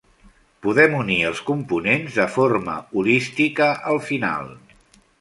Podem unir els components de forma holística al final.